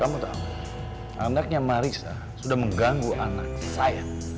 kamu tahu anaknya marisa sudah mengganggu anak saya